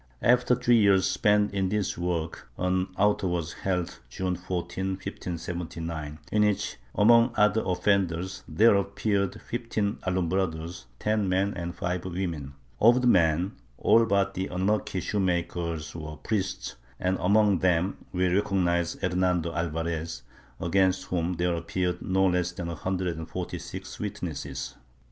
After three years spent in this work, an auto was held, June 14, 1579, in which, among other offenders, there appeared fifteen Alumbrados — ten men and five women. Of the men, all but the unlucky shoe maker were priests, and among them we recognize Hernando Alvarez, against whom there appeared no less than a hundred and forty six witnesses.